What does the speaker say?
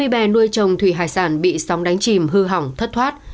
ba mươi bè nuôi chồng thủy hải sản bị sóng đánh chìm hư hỏng thất thoát